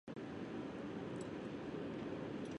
まるでゲームの世界から出てきたみたいだ